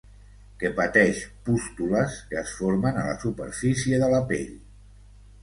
Que pateix pústules que es formen a la superfície de la pell.